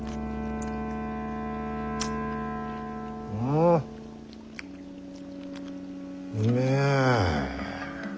おうめえ。